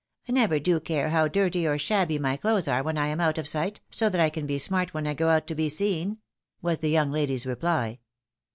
I never do care how dirty or shabby my clothes are when I am out of sight, so that I can be smart when I go out to be seen," was the^ young lady's reply.